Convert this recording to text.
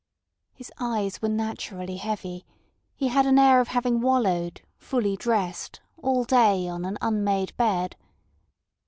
His eyes were naturally heavy; he had an air of having wallowed, fully dressed, all day on an unmade bed.